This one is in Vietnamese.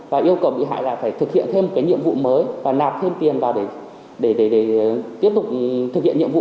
và yêu cầu bị hại là phải thực hiện thêm cái nhiệm vụ mới và nạp thêm tiền vào để tiếp tục thực hiện nhiệm vụ